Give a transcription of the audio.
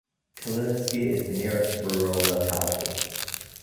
Kalininsky is the nearest rural locality.